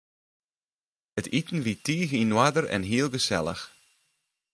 It iten wie tige yn oarder en heel gesellich.